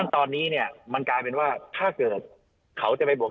ตอนนี้เนี่ยมันกลายเป็นว่าถ้าเกิดเขาจะไปบวก